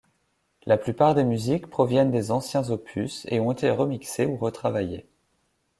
La plupart des musiques proviennent des anciens opus et ont été remixées ou retravaillées.